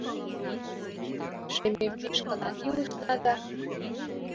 Шемеммешкына илышна да